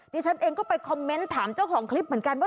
ดิฉันเองก็ไปคอมเมนต์ถามเจ้าของคลิปเหมือนกันว่า